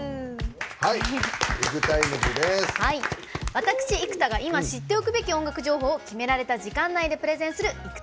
私、生田が今、知っておくべき音楽情報を決められた時間内でプレゼンする「ＩＫＵＴＩＭＥＳ」。